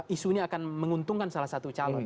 isunya akan menguntungkan salah satu calon